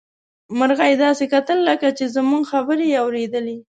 مرغۍ داسې کتل لکه چې زموږ خبرې يې اوريدلې.